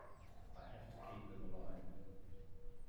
I have to keep them alive.